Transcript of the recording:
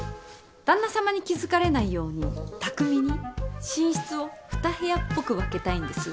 旦那様に気付かれないようにたくみに寝室を２部屋っぽく分けたいんです。